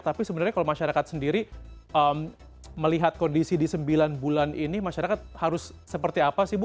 tapi sebenarnya kalau masyarakat sendiri melihat kondisi di sembilan bulan ini masyarakat harus seperti apa sih bu